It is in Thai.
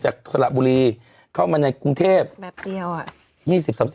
สระบุรีเข้ามาในกรุงเทพแป๊บเดียวอ่ะ